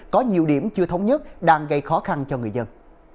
có nhiều điểm chưa thống nhất đang gây khó khăn cho người dân